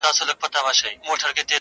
دښمن څه وايي، چي ئې زړه وايي.